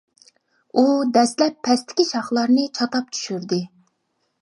ئۇ دەسلەپ پەستىكى شاخلارنى چاتاپ چۈشۈردى.